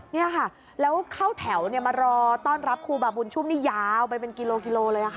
นี่ค่ะแล้วเข้าแถวมารอต้อนรับครูบาบุญชุมนี่ยาวไปเป็นกิโลกิโลเลยค่ะ